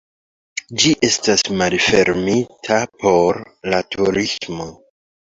Ĝi estas malfermita por la turismo.